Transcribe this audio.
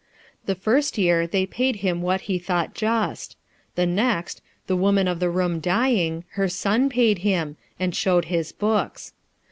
The first year they paid him what he thought just ; the next, the woman of the room dying, her son paid him, and shewed his books.